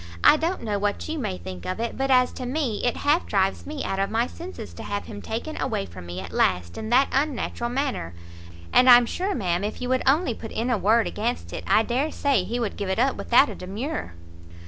I don't know what you may think of it, but as to me, it half drives me out of my senses to have him taken away from me at last in that unnatural manner. And I'm sure, ma'am, if you would only put in a word against it, I dare say he would give it up without a demur."